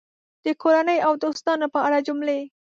د کورنۍ او دوستانو په اړه جملې